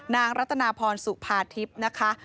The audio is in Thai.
นางรัตนาพรสุภาทิพย์นะคะ